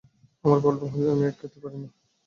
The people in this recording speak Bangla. আমার প্রবলেম হচ্ছে আমি এক খেতে পারি না।